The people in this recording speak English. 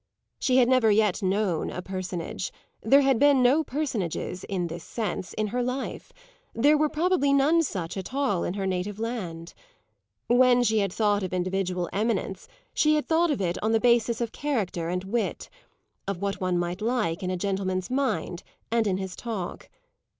She had never yet known a personage; there had been no personages, in this sense, in her life; there were probably none such at all in her native land. When she had thought of individual eminence she had thought of it on the basis of character and wit of what one might like in a gentleman's mind and in his talk.